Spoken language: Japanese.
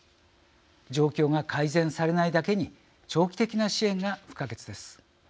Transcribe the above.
状況が改善されないだけに長期的な支援が不可欠です。